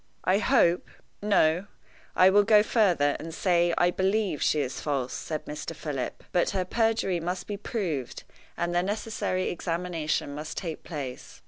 "I hope no, I will go further, and say I believe she is false," said Mr. Philip. "But her perjury must be proved, and the necessary examination must take place.